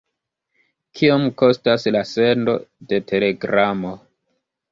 Kiom kostas la sendo de telegramo?